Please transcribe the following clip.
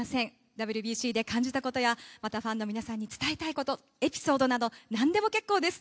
ＷＢＣで感じたことや、またファンの皆さんに伝えたいことエピソードなど何でも結構です。